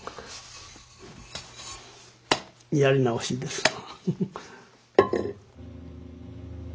やり直しですわ。